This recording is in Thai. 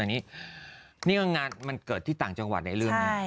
อันนี้นี่ก็งานมันเกิดที่ต่างจังหวัดในเรื่องนี้